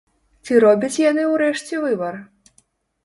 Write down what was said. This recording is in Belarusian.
Ці робяць яны ўрэшце выбар?